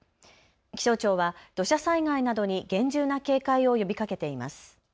気象庁は土砂災害などに厳重な警戒を呼びかけています。